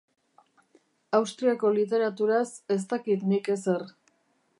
Austriako literaturaz ez dakit nik ezer.